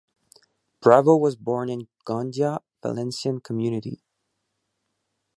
Bravo was born in Gandia, Valencian Community.